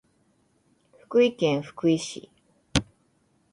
福井県福井市